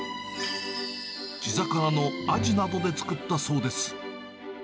地魚のアジなどで作ったそうです。